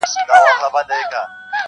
کله دومره بختور یم -